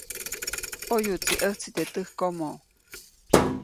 ʼOyuʼtsi ʼäjtsi teʼ täjkomo.